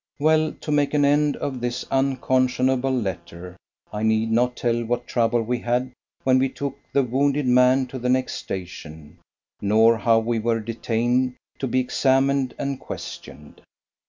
Well, to make an end of this unconscionable letter, I need not tell what trouble we had when we took the wounded man to the next station, nor how we were detained to be examined and questioned.